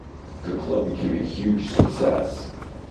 The club became a huge success.